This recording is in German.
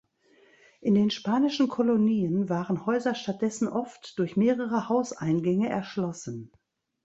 In den spanischen Kolonien waren Häuser stattdessen oft durch mehrere Hauseingänge erschlossen.